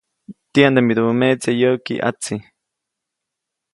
Tiyande midubä meʼtse yäʼki ʼatsi.